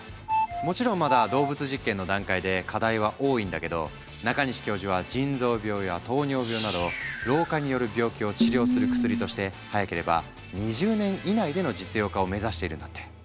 もちろんまだ動物実験の段階で課題は多いんだけど中西教授は腎臓病や糖尿病など老化による病気を治療する薬として早ければ２０年以内での実用化を目指しているんだって。